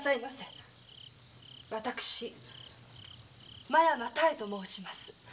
私真山妙と申します。